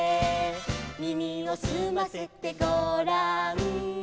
「耳をすませてごらん」